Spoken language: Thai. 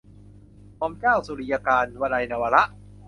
หม่อมเจ้าสุริยกานต์ - วลัย นวาระ